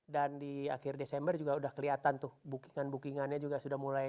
dan di akhir desember juga udah kelihatan tuh bookingan bookingannya juga sudah mulai